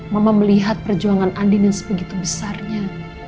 mama melihat perjuangan andin yang sebegitu besarnya